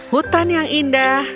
hutan yang indah